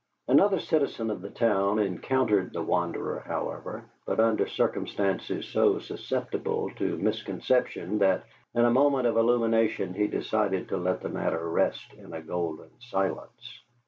Another citizen of the town encountered the wanderer, however, but under circumstances so susceptible to misconception that, in a moment of illumination, he decided to let the matter rest in a golden silence.